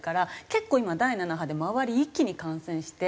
結構今第７波で周り一気に感染して。